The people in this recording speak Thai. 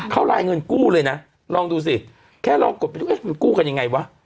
เขาลายเงินกู้เลยนะลองดูสิแค่ลองกดไปดูเอ๊ะมันกู้กันยังไงวะ